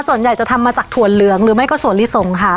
ส่วนใหญ่จะทำมาจากถั่วเหลืองหรือไม่ก็สวนลิสงค่ะ